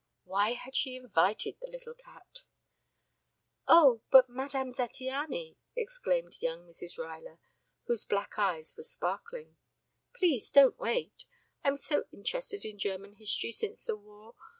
Why had she invited the little cat? "Oh, but Madame Zattiany!" exclaimed young Mrs. Ruyler, whose black eyes were sparkling. "Please don't wait. I'm so interested in German history since the war.